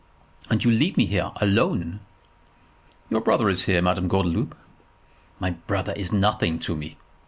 "And you leave me here, alone!" "Your brother is here, Madame Gordeloup." "My brother is nothing to me.